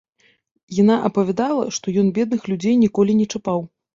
Яна апавядала, што ён бедных людзей ніколі не чапаў.